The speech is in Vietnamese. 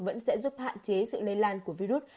vẫn sẽ giúp hạn chế sự lây lan của virus